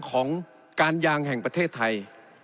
ของการยางแห่งประเทศไทย